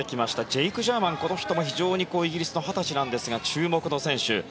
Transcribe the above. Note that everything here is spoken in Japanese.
ジェイク・ジャーマン、この人もイギリスの２０歳なんですが注目の選手。